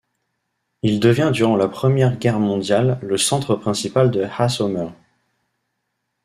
Il devient durant la Première Guerre mondiale le centre principal de Hashomer.